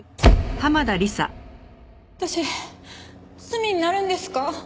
私罪になるんですか？